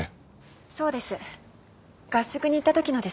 そうです。